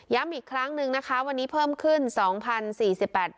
อีกครั้งหนึ่งนะคะวันนี้เพิ่มขึ้น๒๐๔๘บาท